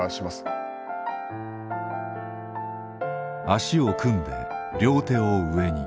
脚を組んで両手を上に。